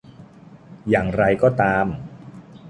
อย่างไรก็ตาม